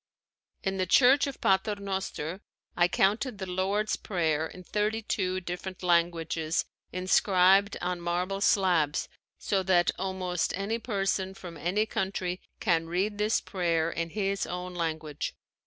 In the Church of Pater Noster I counted the Lord's Prayer in thirty two different languages inscribed on marble slabs so that almost any person from any country can read this prayer in his own language.